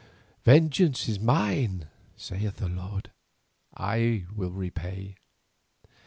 "'Vengeance is mine,' saith the Lord; 'I will repay.